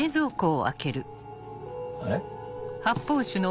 あれ？